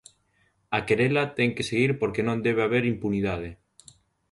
A querela ten que seguir porque non debe haber impunidade.